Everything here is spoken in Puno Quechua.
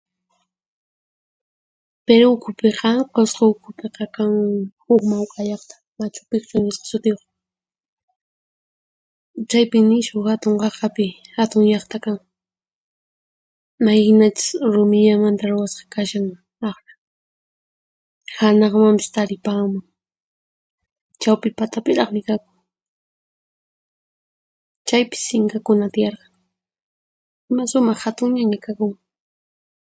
Piruw ukhupiqa, Qusqu ukhupiqa kan huq mauk'a llaqta Machu Picchu nisqa sutiyuq. Chaypin nishu hatun qaqapi hatun llaqta kan, mayhinachus rumillamanta ruwasqa kashan, aqna; hanaqmanpis taripanman, chawpi patapiraqmi kakun. Chaypis inkakuna tiyarqan. Ima sumaq hatunllaña kakun.